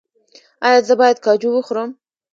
ایا زه باید کاجو وخورم؟